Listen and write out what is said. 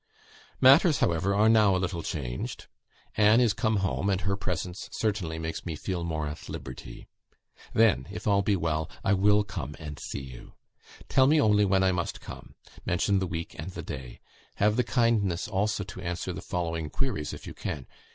Matters, however, are now a little changed. Anne is come home, and her presence certainly makes me feel more at liberty. Then, if all be well, I will come and see you. Tell me only when I must come. Mention the week and the day. Have the kindness also to answer the following queries, if you can.